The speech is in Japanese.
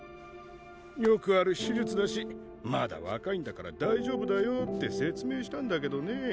「よくある手術だしまだ若いんだから大丈夫だよ」って説明したんだけどね。